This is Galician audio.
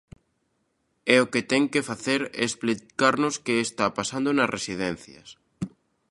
E o que ten que facer é explicarnos que está pasando nas residencias.